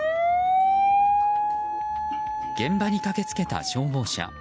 現場に駆け付けた消防車。